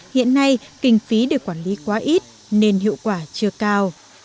hiện nay kinh phí để quản lý quá ít nên hiệu quả chưa cao